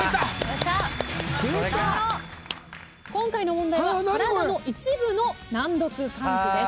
今回の問題は体の一部の難読漢字です。